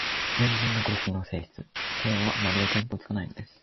隣人の苦しみの性質、程度が、まるで見当つかないのです